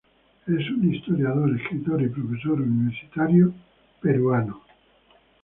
Es un historiador, escritor y profesor universitario peruano.